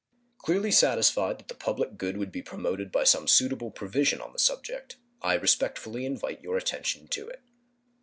Clearly satisfied that the public good would be promoted by some suitable provision on the subject, I respectfully invite your attention to it.